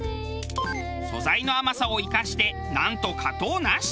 素材の甘さを生かしてなんと加糖なし。